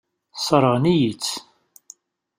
Sseṛɣen-iyi-tt.